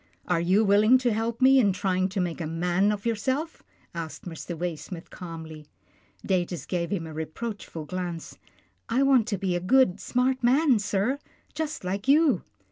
" Are you willing to help me in trying to make a man of yourself?" asked Mr. Waysmith calmly. Datus gave him a reproachful glance. " I want to be a good, smart man, sir, just like you."